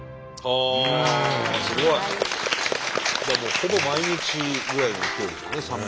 ほぼ毎日ぐらいの勢いですよね３００